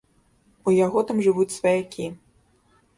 У яго там жывуць сваякі.